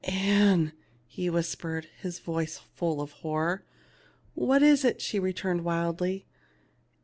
" Ann," he whispered, and his whisper was full of horror. " What is it ?" she returned, wildly.